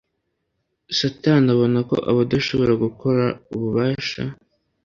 Satani abona ko adashobora gukoresha ububasha